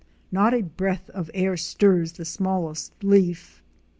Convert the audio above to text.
Nota breath of air stirs the smallest leaf.